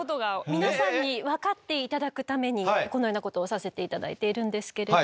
皆さんに分かって頂くためにこのようなことをさせて頂いているんですけれども。